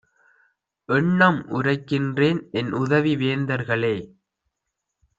எண்ணம் உரைக்கின்றேன்! என்உதவி வேந்தர்களே